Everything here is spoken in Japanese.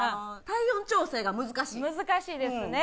体温調整が難しい難しいですね